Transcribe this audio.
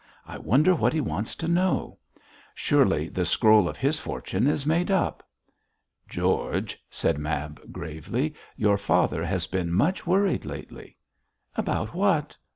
I wonder what he wants to know. Surely the scroll of his fortune is made up.' 'George,' said Mab, gravely, 'your father has been much worried lately.' 'About what?